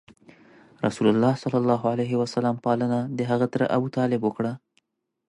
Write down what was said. رسول الله ﷺ پالنه دهغه تره ابو طالب وکړه.